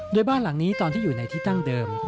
โดยบ้านหลังนี้ตอนที่อยู่ในที่ตั้งเดิม